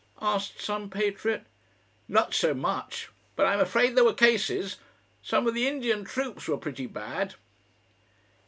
asked some patriot. "Not so much. But I'm afraid there were cases.... Some of the Indian troops were pretty bad."